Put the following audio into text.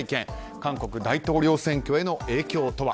韓国大統領選挙への影響とは？